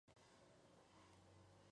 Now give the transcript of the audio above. Las guerrillas alcanzaron su apogeo.